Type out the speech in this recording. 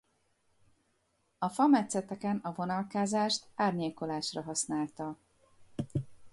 A fametszeteken a vonalkázást árnyékolásra használta.